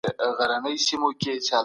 هغه په کمپيوټر کي ډاټا تحليل کوي.